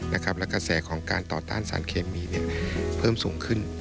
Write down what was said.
แล้วก็แสของการต่อต้านสารเคมีเพิ่มสูงขึ้น